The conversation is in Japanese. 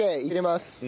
入れます！